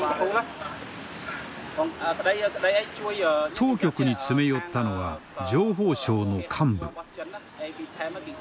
当局に詰め寄ったのは情報省の幹部。